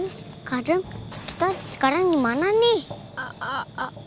armie kadang kita sekarang dimana nih